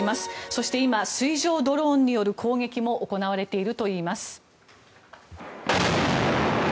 そして今、水上ドローンによる攻撃も行われているといいます。